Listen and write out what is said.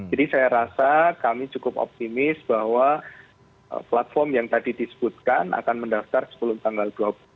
jadi saya rasa kami cukup optimis bahwa platform yang tadi disebutkan akan mendaftar sepuluh tanggal dua puluh